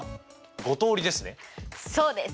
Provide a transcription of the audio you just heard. そうです！